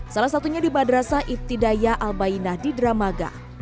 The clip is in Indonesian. salah satunya di madrasah ibtidaya al bainah di dramaga